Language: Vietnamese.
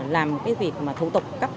làm cái việc mà thủ tục cấp hộ